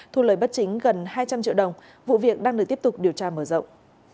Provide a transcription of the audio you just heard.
thu lời bất chính gần hai trăm linh triệu đồng vụ việc đang được tiếp tục điều tra mở rộng